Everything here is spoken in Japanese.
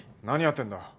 何やってんだ。